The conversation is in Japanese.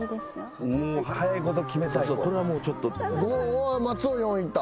おお松尾４いった。